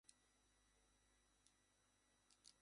এবার তুমি নিজের বাবার সাথে দেখা করবে!